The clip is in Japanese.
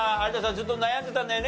ずっと悩んでたんだよね？